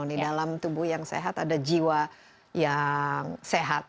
di dalam tubuh yang sehat ada jiwa yang sehat